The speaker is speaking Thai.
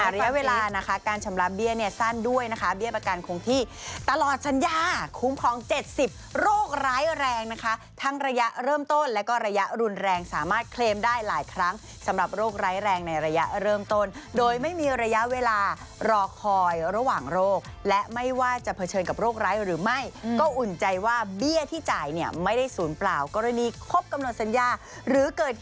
ระยะเวลานะคะการชำระเบี้ยเนี่ยสั้นด้วยนะคะเบี้ยประกันคงที่ตลอดสัญญาคุ้มครอง๗๐โรคร้ายแรงนะคะทั้งระยะเริ่มต้นและก็ระยะรุนแรงสามารถเคลมได้หลายครั้งสำหรับโรคร้ายแรงในระยะเริ่มต้นโดยไม่มีระยะเวลารอคอยระหว่างโรคและไม่ว่าจะเผชิญกับโรคร้ายหรือไม่ก็อุ่นใจว่าเบี้ยที่จ่ายเนี่ยไม่ได้ศูนย์เปล่ากรณีครบกำหนดสัญญาหรือเกิด